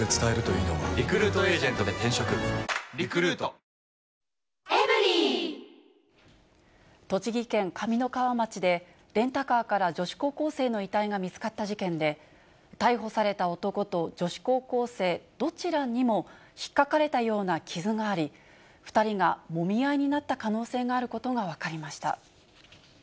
夢かこんなところで働いてみたいな三井不動産栃木県上三川町で、レンタカーから女子高校生の遺体が見つかった事件で、逮捕された男と女子高校生、どちらにもひっかかれたような傷があり、２人がもみ合いになった可能性があることが分かりました。